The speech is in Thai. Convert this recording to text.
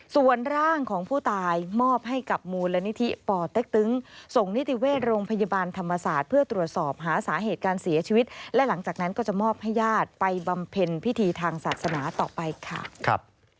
ส่วนร่างของผู้ตายมอบให้กับมูลนิธิป่อเต็กตึงส่งนิติเวชโรงพยาบาลธรรมศาสตร์เพื่อตรวจสอบหาสาเหตุการเสียชีวิตและหลังจากนั้นก็จะมอบให้ญาติไปบำเพ็ญพิธีทางศาสนาต่อไปค่ะ